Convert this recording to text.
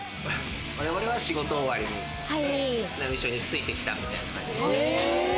我々は仕事終わりで、一緒についてきたみたいな感じ。